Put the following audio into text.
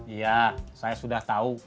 iya saya sudah tahu